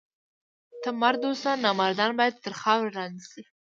ته مرد اوسه! نامردان باید تر خاورو لاندي سي.